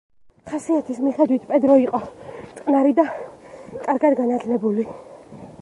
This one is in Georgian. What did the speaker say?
ხასიათის მიხედვით პედრო იყო წყნარი და კარგად განათლებული.